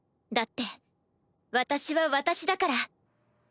だって私は私だから。